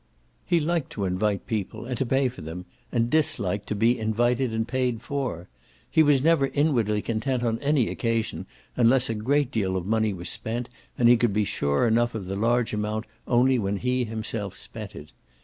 He liked to invite people and to pay for them, and disliked to be invited and paid for. He was never inwardly content on any occasion unless a great deal of money was spent, and he could be sure enough of the large amount only when he himself spent it.